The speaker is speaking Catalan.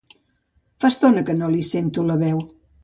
Fa estona que no li sento la veu.